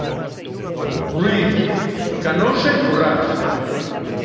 Ruíz, Canosa e Currás.